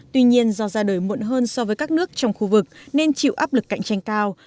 tuy nhiên do ra đời muộn hơn so với các nước trong khu vực nên chịu áp lực cạnh tranh cao